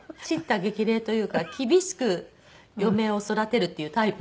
叱咤激励というか厳しく嫁を育てるっていうタイプの。